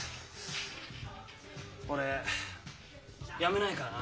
俺やめないからな。